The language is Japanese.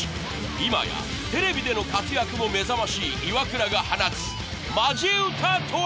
今やテレビでの活躍も目覚ましいイワクラが放つマジ歌とは？